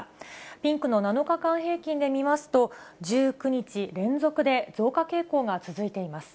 ピンクの７日間平均で見ますと、１９日連続で増加傾向が続いています。